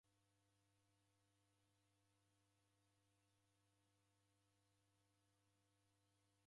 Daw'iaw'eseria mwanapo uchagha mramko kawi juma ichaa.